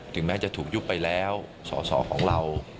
แม้จะถูกยุบไปแล้วสอสอของเรา